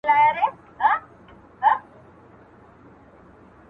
خدایه زه ستا د نور جلوو ته پر سجده پروت وم چي!!